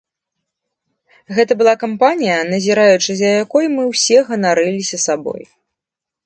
Гэта была кампанія, назіраючы за якой, мы ўсе ганарыліся сабой.